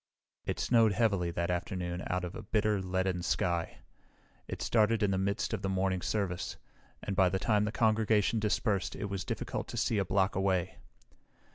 It snowed heavily that afternoon out of a bitter, leaden sky. It started in the midst of the morning service, and by the time the congregation dispersed it was difficult to see a block away.